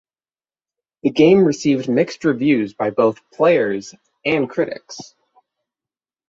The game received mixed reviews by both players and critics.